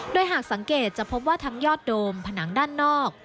โดยหากสังเกตจะพบว่าทั้งยอดโดมผนังด้านนอก